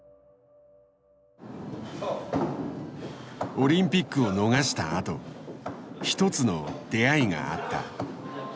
オリンピックを逃したあと一つの出会いがあった。